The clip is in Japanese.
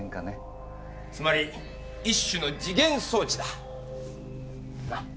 つまり一種の時限装置だ。な？